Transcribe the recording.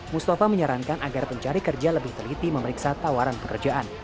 mustafa menyarankan agar pencari kerja lebih teliti memeriksa tawaran pekerjaan